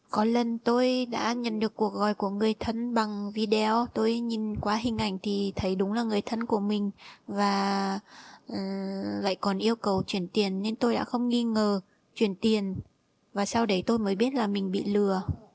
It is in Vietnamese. có lần tôi đã nhận được cuộc gọi của người thân bằng video tôi nhìn qua hình ảnh thì thấy đúng là người thân của mình và lại còn yêu cầu chuyển tiền nên tôi đã không nghi ngờ chuyển tiền và sau đấy tôi mới biết là mình bị lừa